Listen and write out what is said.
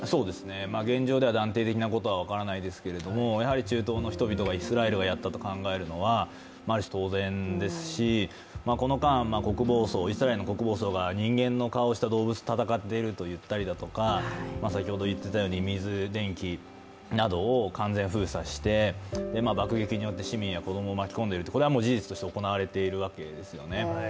現状では断定的なことは分からないですけどもやはり中東の人々がイスラエルがやったと考えるのはある種、当然ですしこの間、国防相が人間の顔をした動物と戦っているだとか、水、電気などを完全封鎖して爆撃によって市民や子供を巻き込んでいるこれは事実として行われているわけですよね。